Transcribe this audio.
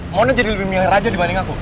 mohonnya jadi lebih milih raja dibanding aku